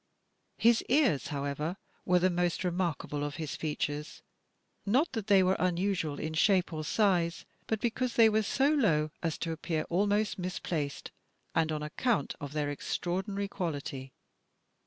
His ears, however, were the most remarkable of his features — not that they were unusual in shape or size, but because they were so low as to appear almost misplaced, and on account of their extra ordinary quality.